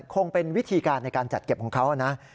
คงเป็นวิธีการในการจัดเก็บของเขานะ